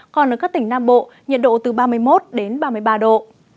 còn ở các tỉnh nam bộ nhiệt độ từ ba mươi một đến ba mươi ba độ